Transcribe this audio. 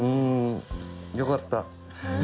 よかった。